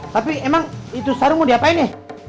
tapi emang itu sarung mau diapain nih